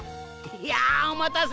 いやあおまたせ。